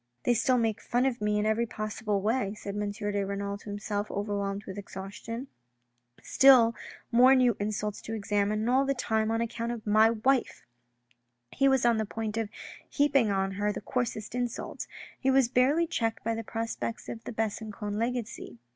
" They still make fun of me in every possible way," said M. de Renal to himself, overwhelmed with exhaustion. " Still more new insults to examine and all the time on accouut of my wife." He was on the point of heaping on her the coarsest insults He was barely checked by the prospects of the Besancon legacy.